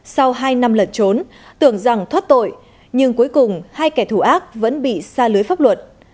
sau hai năm lẩn trốn tưởng rằng thoát tội nhưng cuối cùng hai kẻ thù ác vẫn bị xa lưới pháp luật